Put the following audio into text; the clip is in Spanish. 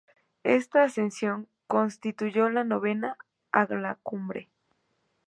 Esta ascensión constituyó la novena a la cumbre.